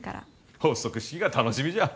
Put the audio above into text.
発足式が楽しみじゃ。